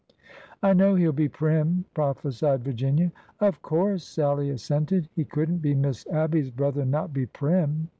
'' I know he 'll be prim," prophesied Virginia. '' Of course," Sallie assented ;'' he could n't be Miss Abby's brother and not be prim.